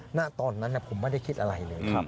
ณตอนนั้นผมไม่ได้คิดอะไรเลย